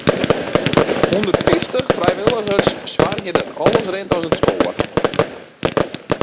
Hûndertfyftich frijwilligers soargje dat alles rint as it spoar.